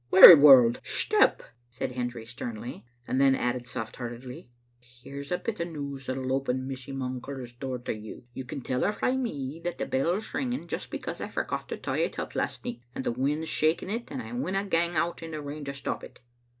"Wearyworld, step!" said Hendry sternly, and then added soft heartedly : "Here's a bit news that'll open Mysy Moncur's door to you. You can tell her frae me that the bell's ringing just because I forgot to tie it up last nicht, and the wind's shaking it, and I winna gang out in the rain to stop it."